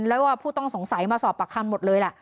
แล้วผู้ต้องสงสัยมาสอบปากคำทั้งหมดเลย